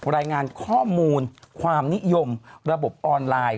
รายงานข้อมูลความนิยมระบบออนไลน์